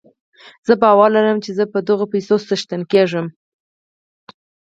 زه باور لرم چې زه به د دغو پيسو څښتن کېږم.